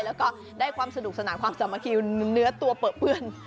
แล้วก็ได้ความสนุกสนานความสามัคคีเนื้อตัวเปลือเปื้อน